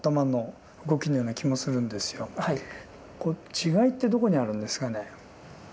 違いってどこにあるんですかね？